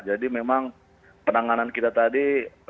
jadi memang penanganan kita tadi